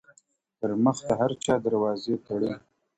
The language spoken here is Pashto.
پــــر مـــخ د هــــر چــــا دروازې تـــــــړلـــــــي_